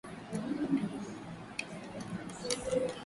Utahitaji mwiko wa kupikia viazi lishe